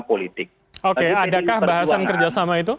adakah bahasan kerjasama itu